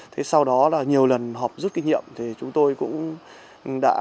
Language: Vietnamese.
thế sau đó là nhiều lần họp rút kinh nghiệm thì chúng tôi cũng đã